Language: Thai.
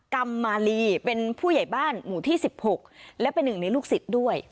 กรรมมาลีเป็นผู้ใหญ่บ้านหมู่ที่๑๖และเป็นหนึ่งในลูกศิษย์ด้วย